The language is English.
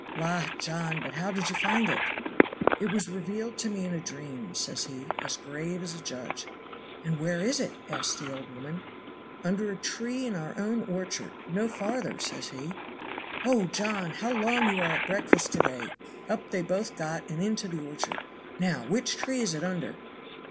"'La, John, but how did you find it?' "'It was revealed to me in a dream,' says he, as grave as a judge. "'And where is it?' asks the old woman. "'Under a tree in our own orchard no farther,' says he. "'Oh, John! how long you are at breakfast to day!' Up they both got and into the orchard. 'Now, which tree is it under?'